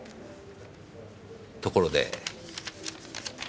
ところで。